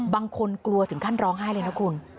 กลัวถึงขั้นร้องไห้เลยนะคุณ